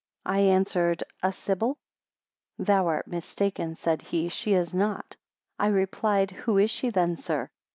I answered, a Sybil. 32 Thou art mistaken said he, she is not. I replied, Who is she then, sir?